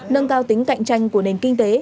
nâng cao tính cạnh tranh của nền kinh tế